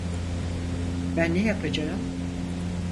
Ben ne yapacağım?